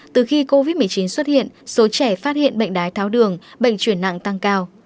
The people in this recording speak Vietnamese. từ khi covid một mươi chín xuất hiện số trẻ phát hiện bệnh đái tháo đường bệnh chuyển nặng tăng cao